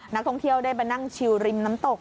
นักท่องเที่ยวได้มานั่งชิวริมน้ำตก